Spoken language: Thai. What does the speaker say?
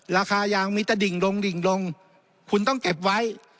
ราคายางมีตะดิ่งลงดิ่งลงคุณต้องเก็บไว้